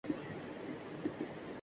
انتہا کو پہنچ جاتی ہے